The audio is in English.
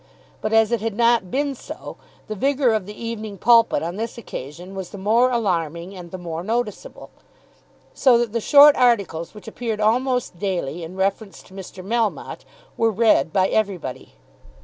But as it had not been so, the vigour of the "Evening Pulpit" on this occasion was the more alarming and the more noticeable, so that the short articles which appeared almost daily in reference to Mr. Melmotte were read by everybody.